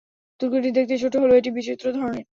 দুর্গটি দেখতে ছোট হলেও এটি বিচিত্র ধরনের।